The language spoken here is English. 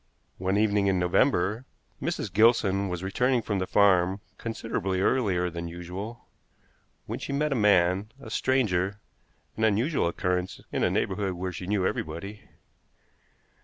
One evening in November Mrs. Gilson was returning from the farm considerably earlier than usual, when she met a man, a stranger, an unusual occurrence in a neighborhood where she knew everybody.